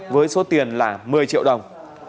với số tiền là một mươi triệu đồng